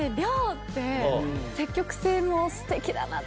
って、積極性もすてきだなって。